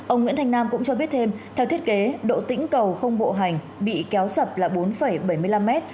ông nguyễn thanh nam cũng cho biết thêm theo thiết kế độ tĩnh cầu không bộ hành bị kéo sập là bốn bảy mươi năm mét